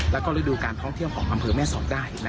แล้วก็ฤดูการท่องเที่ยวของอำเภอแม่สอดได้